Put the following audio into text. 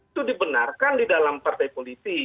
itu dibenarkan di dalam partai politik